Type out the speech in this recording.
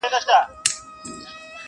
پردو زموږ په مټو یووړ تر منزله,